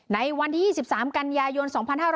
ในวันที่๒๓กันยายน๒๕๖๐